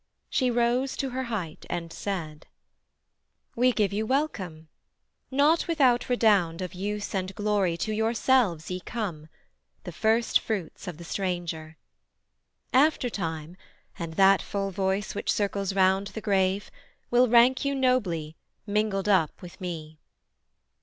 She rose her height, and said: 'We give you welcome: not without redound Of use and glory to yourselves ye come, The first fruits of the stranger: aftertime, And that full voice which circles round the grave, Will rank you nobly, mingled up with me.